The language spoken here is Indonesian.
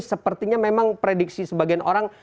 sepertinya memang prediksi sebagian orang